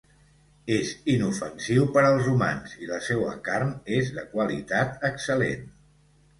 És inofensiu per als humans i la seua carn és de qualitat excel·lent.